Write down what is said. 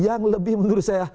yang lebih menurut saya